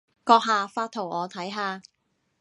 閣下發圖我睇下